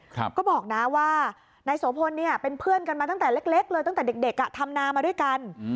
ก็บอกนะว่านายโสพลเนี่ยเป็นเพื่อนกันมาตั้งแต่เล็กเลยตั้งแต่เด็กเด็กอ่ะทำนามาด้วยกัน